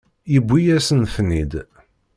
Yewwi-yasen-ten-id.